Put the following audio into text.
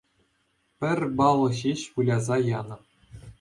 Пӗр балл ҫеҫ выляса янӑ